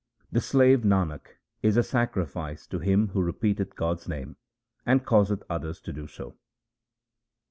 The slave Nanak is a sacrifice to him who repeateth God's name and causeth others to do so.